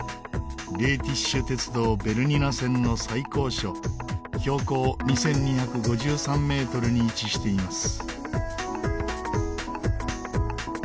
レーティッシュ鉄道ベルニナ線の最高所標高２２５３メートルに位置しています。